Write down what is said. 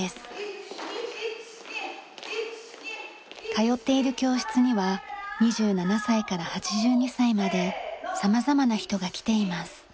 通っている教室には２７歳から８２歳まで様々な人が来ています。